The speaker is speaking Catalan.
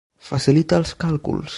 Facilita els càlculs.